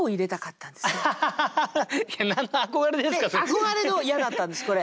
憧れの「や」だったんですこれ。